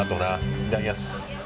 いただきます。